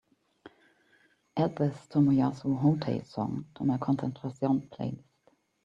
Add this tomoyasu hotei song to my concentración playlist